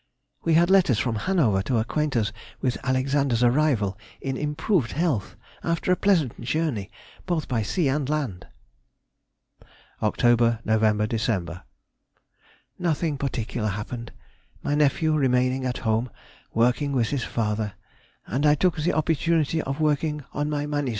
_—We had letters from Hanover to acquaint us with Alexander's arrival in improved health, after a pleasant journey both by sea and land. [Sidenote: 1817. Extracts from Diary.] October, Nov., Dec.—Nothing particular happened, my nephew remaining at home working with his father, and I took the opportunity of working on my MS.